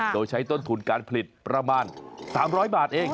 โดยใช้ต้นทุนการผลิตประมาณ๓๐๐บาทเอง